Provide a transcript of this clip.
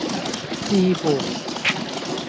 視乎